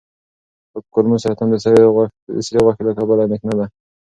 کولمو سرطان د سرې غوښې له کبله اندېښنه ده.